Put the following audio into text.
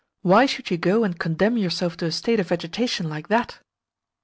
Why should you go and condemn yourself to a state of vegetation like that?"